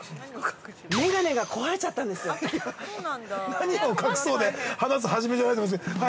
◆何を隠そうで、話すはじめじゃないと思うんですけど。